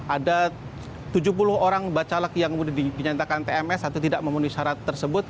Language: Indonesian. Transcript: ada tujuh puluh orang bacalak yang dinyatakan tms atau tidak memenuhi syarat tersebut